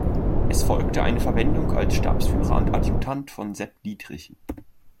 Es folgte eine Verwendung als Stabsführer und Adjutant von Sepp Dietrich.